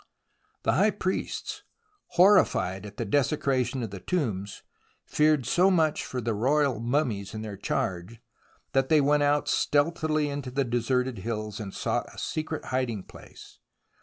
THE ROMANCE OF EXCAVATION 81 The high priests, horrified at the desecration of the tombs, feared so much for the royal mummies in their charge, that they went out stealthily into the deserted hills and sought a secret hiding place.